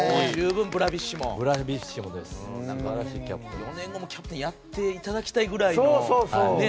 ４年後もキャプテンをやっていただきたいくらいの。